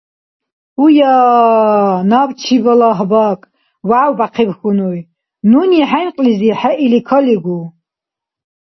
— Гьуя-я! Набчи балагь бакӀ! — вявбяхъиб хьунуй. — Нуни хӀенкьлизи хӀеили калигу!